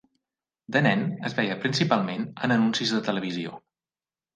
De nen, es veia principalment en anuncis de televisió.